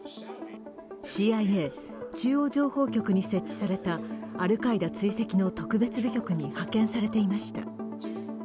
ＣＩＡ＝中央情報局に設置されたアルカイダ追跡の特別部局に派遣されていました。